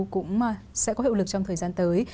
cũng sẽ có hiệu lực trong thời gian tới